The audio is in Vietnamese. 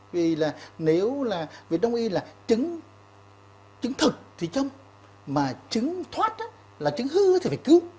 vì là nếu là về đông y là trứng trứng thực thì châm mà trứng thoát á là trứng hư thì phải cứu